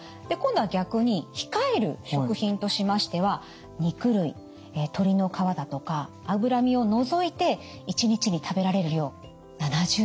で今度は逆に控える食品としましては肉類鶏の皮だとか脂身を除いて１日に食べられる量７０ｇ。